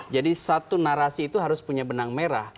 jadi satu narasi itu harus punya benang merah